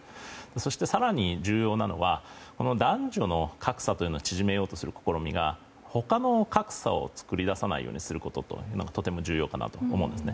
そして、更に重要なのは男女の格差を縮めようとする試みが他の格差を作り出さないことととても重要かなと思うんですね。